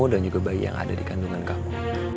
dan bagi yang ada di kandungan kamu